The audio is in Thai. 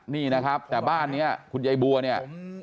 นี่นะครับแต่บ้านนี้คุณยายบัวเนี่ย